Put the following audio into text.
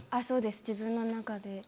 そうです自分の中で。